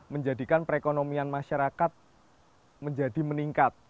menjadikan perekonomian masyarakat menjadi meningkat